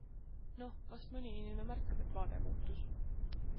Noh, vast mõni inimene märkab, et vaade muutus.